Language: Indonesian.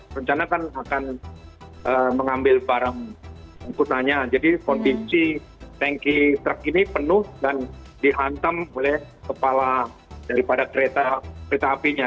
rencana kan akan mengambil barang angkutannya jadi kondisi tanki truk ini penuh dan dihantam oleh kepala daripada kereta apinya